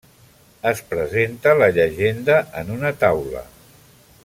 Es presenta la llegenda en una taula.